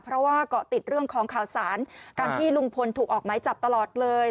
เพราะว่าเกาะติดเรื่องของข่าวสารการที่ลุงพลถูกออกไม้จับตลอดเลย